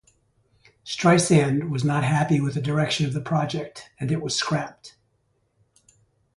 Streisand was not happy with the direction of the project and it was scrapped.